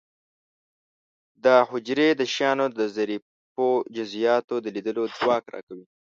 دا حجرې د شیانو د ظریفو جزئیاتو د لیدلو ځواک را کوي.